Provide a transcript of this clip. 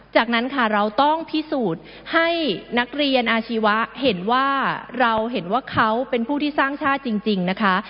จากนั้นค่ะเราต้องพิสูจน์ให้นักเรียนอาชีวะเห็นว่าเราเห็นว่าเขาเป็นผู้ที่สร้างชาติจริงนะคะ